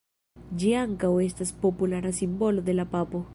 Ĝi ankaŭ estas populara simbolo de la papo.